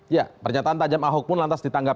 ya pernyataan tajam ahok pun lantas ditangkap